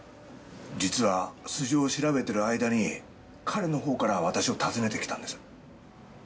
実は素性を調べている間に彼のほうから私を訪ねてきたんです。